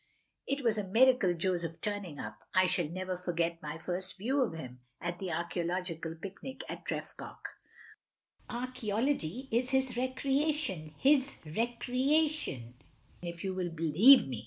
It was a miracle Joseph turning up. I shall never forget my first view of him; at the archaeological picnic at Tref goch. (Archaeology is his recreation, his recreation if you will be lieve me!)